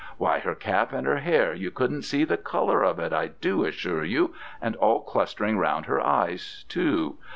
Why her cap and her hair, you couldn't see the colour of it, I do assure you, and all clustering round her eyes, too.